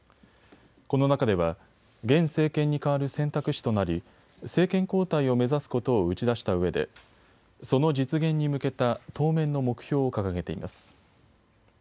この中では現政権に代わる選択肢となり政権交代を目指すことを打ち出したうえでその実現に向けた当面の目標を掲げています。